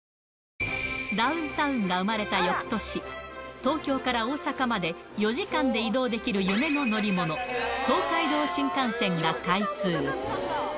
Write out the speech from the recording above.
ダウンタウンが生まれたよくとし、東京から大阪まで４時間で移動できる夢の乗り物、東海道新幹線が開通。